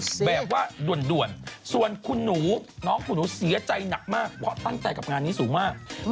แบบว่าด่วนส่วนคุณหนูน้องคุณหนูเสียใจหนักมากเพราะตั้งใจกับงานนี้สูงมาก